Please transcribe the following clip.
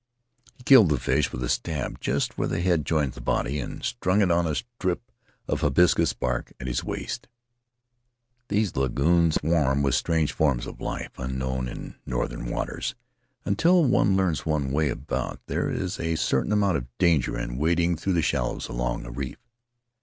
He killed the fish with a stab just where the head joins the body, and strung it on the strip of hibiscus bark at his waist. These lagoons swarm with strange forms of life unknown in northern waters; until one learns one's way about there is a certain amount of danger in wading through the shallows along the reef.